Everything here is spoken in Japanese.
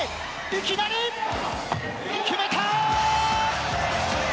いきなり。決めた！